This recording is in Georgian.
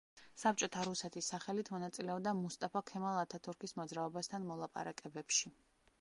საბჭოთა რუსეთის სახელით მონაწილეობდა მუსტაფა ქემალ ათათურქის მოძრაობასთან მოლაპარაკებებში.